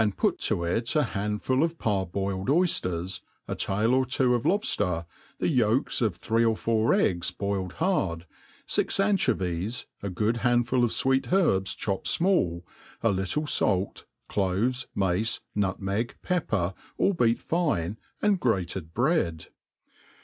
s^ «n9 put to it a handful of parboiled oyfters, a tail or two of lobfter, the yolks of three or four eggs boiled bard, fix ancho . vies„ a good handful of fwect herbs chopped fmall, a little fait, tiloves, mace, nutmeg, pepper, all beat fine, and grated bread.